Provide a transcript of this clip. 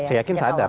saya yakin sadar